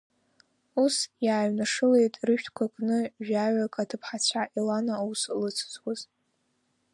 Ус иааҩнашылеит рышәҭқәа кны жәаҩык аҭыԥҳацәа, Елана аус лыцызуаз.